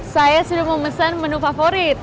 saya sudah memesan menu favorit